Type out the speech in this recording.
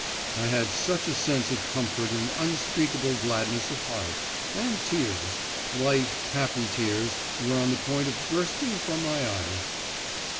I had such a sense of comfort and unspeakable gladness of heart, and tears, light, happy tears were on the point of bursting from my eyes.